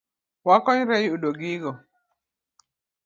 Wakonyre yudo gigo